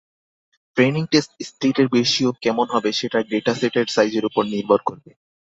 Training test স্প্লিটের ratio কেমন হবে সেটা ডেটাসেটের সাইজের উপর নির্ভর করবে।